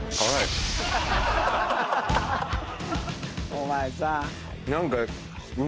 お前さ。